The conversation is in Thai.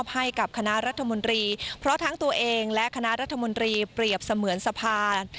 ให้กับคณะรัฐมนตรีเพราะทั้งตัวเองและคณะรัฐมนตรีเปรียบเสมือนสะพาน